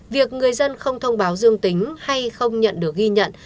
việc người dân không thông báo dương tính hay không nhận được ghi nhận